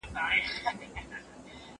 زه به موبایل کار کړی وي؟!